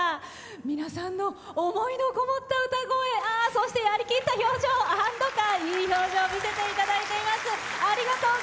皆さんの思いのこもった歌声そして、やりきった表情安ど感、いい表情を見せていただいてます。